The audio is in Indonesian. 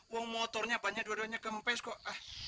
lol apa gel lender apanya dua duanya tuh gempes ini kok